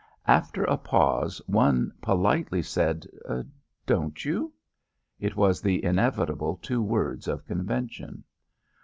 After a pause one politely said, "Don't you?" It was the inevitable two words of convention.